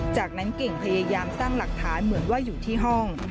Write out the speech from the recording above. จากนั้นเก่งพยายามสร้างหลักฐานเหมือนว่าอยู่ที่ห้อง